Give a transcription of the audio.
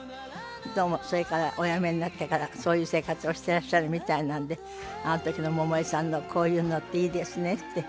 どうもそれからおやめになってからそういう生活をしてらっしゃるみたいなんであの時の百恵さんのこういうのっていいですねって。